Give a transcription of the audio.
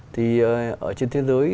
thì ở trên thế giới